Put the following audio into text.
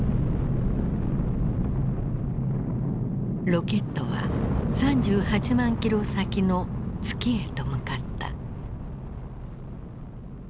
ロケットは３８万ｋｍ先の月へと向かった。